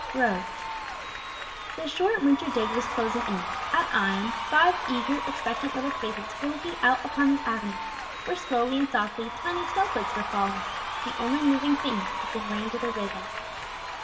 ROWE. The short winter day was closing in. At Ion, five eager, expectant little faces were looking out upon the avenue, where slowly and softly, tiny snowflakes were falling, the only moving thing within range of their vision.